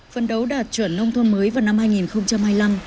phân đấu đạt chuẩn nông thôn mới vào năm hai nghìn hai mươi năm